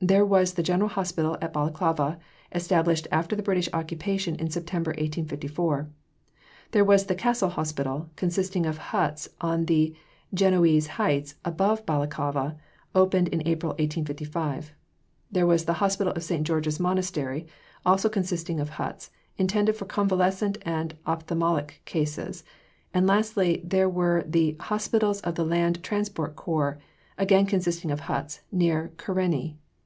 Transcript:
There was the General Hospital at Balaclava, established after the British occupation in September 1854. There was the Castle Hospital, consisting of huts on the "Genoese heights" above Balaclava, opened in April 1855. There was the Hospital of St. George's Monastery, also consisting of huts, intended for convalescent and ophthalmic cases; and, lastly, there were the Hospitals of the Land Transport Corps, again consisting of huts, near Karani.